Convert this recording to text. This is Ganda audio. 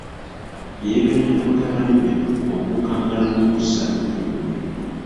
Yeegayirira mutabani we okukkakkana n'okussa ebbugumu.